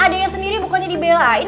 adeknya sendiri bukannya dibelain